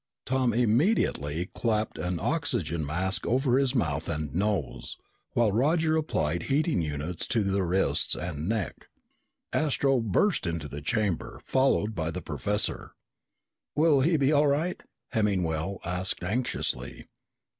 Tom immediately clapped an oxygen mask over his mouth and nose, while Roger applied heating units to the wrists and neck. Astro burst into the chamber, followed by the professor. "Will he be all right?" Hemmingwell asked anxiously.